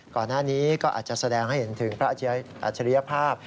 ก่อนหน้านี้ก็อาจจะแสดงให้เห็นถึงพระอัจฉริยภาพ